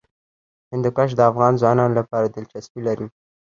هندوکش د افغان ځوانانو لپاره دلچسپي لري.